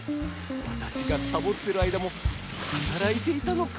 わたしがサボってる間もはたらいていたのか。